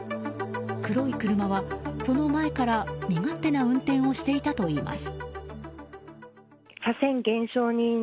黒い車は、その前から身勝手な運転をしていたといいます。